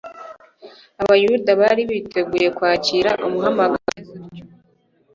Abayuda bari biteguye kwakira umuhamagaro umeze utyo.